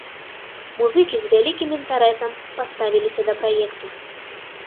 Музыкі з вялікім інтарэсам паставіліся да праекту.